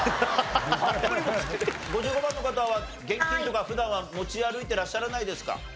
５５番の方は現金とか普段は持ち歩いていらっしゃらないですか？